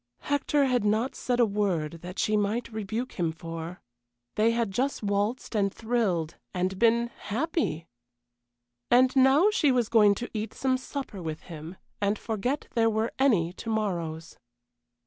Hector had not said a word that she must rebuke him for; they had just waltzed and thrilled, and been happy! And now she was going to eat some supper with him, and forget there were any to morrows.